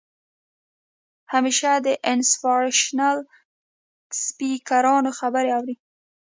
همېشه د انسپارېشنل سپيکرانو خبرې اورئ